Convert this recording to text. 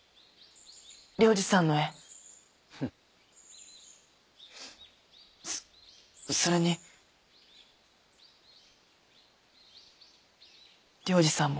涼次さんの絵ふんそそれに涼次さんも